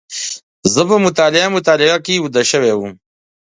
زه په مطالعه مطالعه کې بيده شوی وم.